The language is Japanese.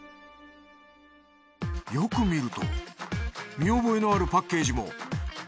よく見ると見覚えのあるパッケージも。